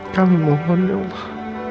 kami mohon ya allah